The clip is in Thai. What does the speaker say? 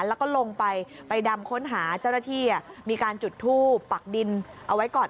แล้วก็ลงไปไปดำค้นหาเจ้าหน้าที่มีการจุดทูปปักดินเอาไว้ก่อน